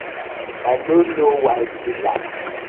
I no no wai yu dey laff.